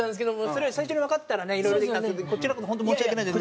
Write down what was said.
それが最初にわかってたらねいろいろできたんですけどこちらこそ本当申し訳ないです。